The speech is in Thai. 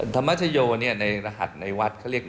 ธรรมชโยเนี่ยในรหัสในวัดเขาเรียก๑๐๑